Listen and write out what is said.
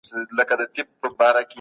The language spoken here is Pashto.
د ملکيت حق د تېري مخه نيسي.